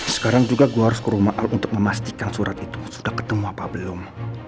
sekarang juga gue harus ke rumah al untuk memastikan surat itu sudah ketemu apa belum